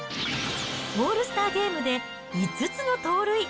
オールスターゲームで５つの盗塁。